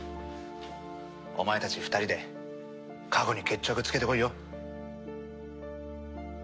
お前たち２人で過去に決着つけてこいよ。